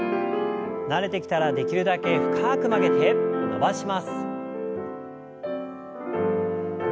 慣れてきたらできるだけ深く曲げて伸ばします。